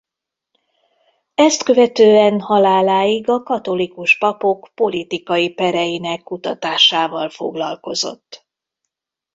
Ezt követően haláláig a katolikus papok politikai pereinek kutatásával foglalkozott.